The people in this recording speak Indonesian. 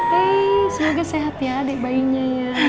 hei semoga sehat ya adik bayinya ya